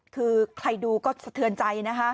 คือใครดูก็สะเทือนใจนะคะ